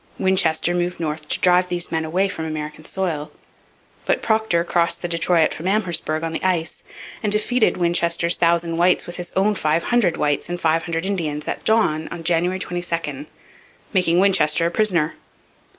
Winchester moved north to drive these men away from American soil. But Procter crossed the Detroit from Amherstburg on the ice, and defeated Winchester's thousand whites with his own five hundred whites and five hundred Indians at dawn on January 22, making Winchester a prisoner.